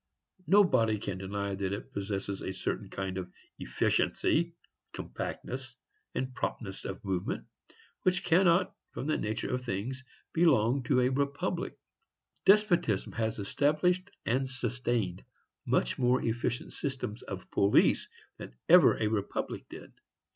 Nobody can deny that it possesses a certain kind of efficiency, compactness, and promptness of movement, which cannot, from the nature of things, belong to a republic. Despotism has established and sustained much more efficient systems of police than ever a republic did.